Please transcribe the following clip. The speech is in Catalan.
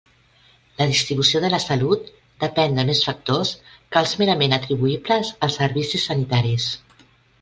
La distribució de la salut depén de més factors que els merament atribuïbles als servicis sanitaris.